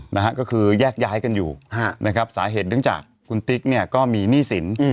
นะฮะก็คือแยกย้ายกันอยู่ฮะนะครับสาเหตุเนื่องจากคุณติ๊กเนี่ยก็มีหนี้สิน